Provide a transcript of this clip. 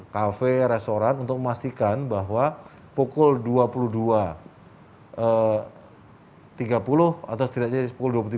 cafe restoran untuk memastikan bahwa pukul dua puluh dua tiga puluh atau setidaknya pukul dua puluh tiga semua cafe restoran tersebut sudah tutup